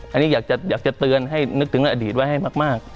อันนี้อยากจะเตือนให้นึกถึงอดีตไว้ให้มาก